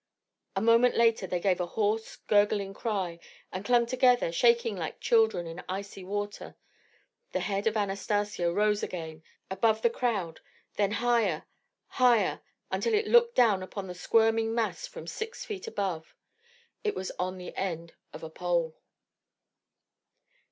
A moment later they gave a hoarse gurgling cry and clung together, shaking like children in icy water. The head of Anastacio rose again above the crowd, then higher, higher, until it looked down upon the squirming mass from six feet above. It was on the end of a pole.